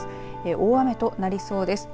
大雨となりそうです。